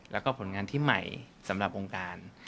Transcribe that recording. แล้วก็ผลงานที่ใหม่สำหรับวงการ